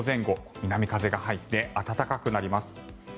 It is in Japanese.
南風が入って暖かくなります。